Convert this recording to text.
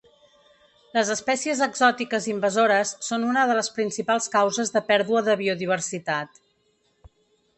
Les espècies exòtiques invasores són una de les principals causes de pèrdua de biodiversitat.